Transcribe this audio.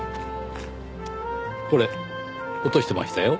これ落としてましたよ。